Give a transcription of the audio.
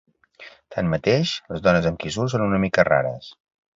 Tanmateix, les dones amb qui surt són una mica rares.